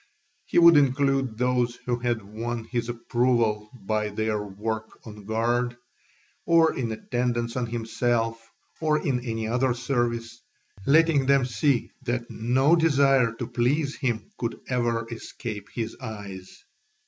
He would include those who had won his approval by their work on guard, or in attendance on himself, or in any other service, letting them see that no desire to please him could ever escape his eyes.